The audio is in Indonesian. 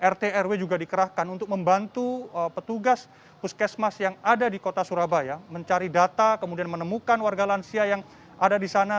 rt rw juga dikerahkan untuk membantu petugas puskesmas yang ada di kota surabaya mencari data kemudian menemukan warga lansia yang ada di sana